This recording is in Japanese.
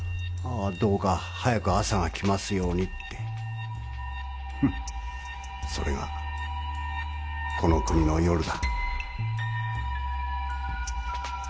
あどうか早く朝が来ますようにってそれがこの国の夜だ